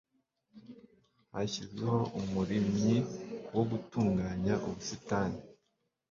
Hashyizweho umurimyi wo gutunganya ubusitani.